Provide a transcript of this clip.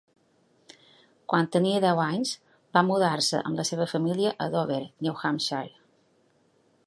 Quan tenia deu anys, va mudar-se amb la seva família a Dover, New Hampshire.